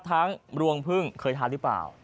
ทั้งรวงพึ่งเคยทานหรือเปล่า